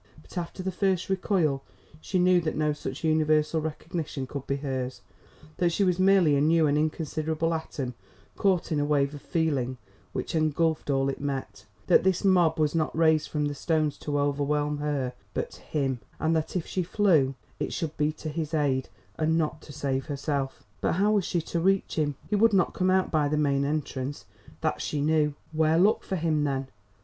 But after the first recoil she knew that no such universal recognition could be hers; that she was merely a new and inconsiderable atom caught in a wave of feeling which engulfed all it met; that this mob was not raised from the stones to overwhelm her but HIM, and that if she flew, it should be to his aid, and not to save herself. But how was she to reach him? He would not come out by the main entrance; that she knew. Where look for him, then?